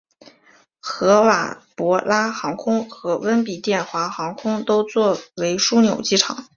合瓦博拉航空和温比殿华航空都作比为枢纽机场。